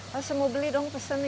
loh semua beli dong pesan